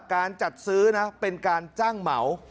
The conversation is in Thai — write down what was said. การจัดซื้อนะเป็นการจ้างเหมา